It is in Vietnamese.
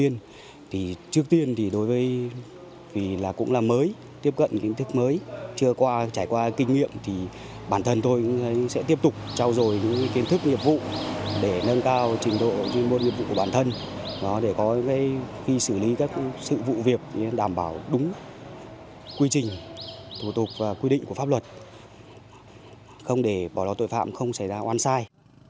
nên đảm bảo đúng quy trình thủ tục và quy định của pháp luật không để bỏ lò tội phạm không xảy ra oan sai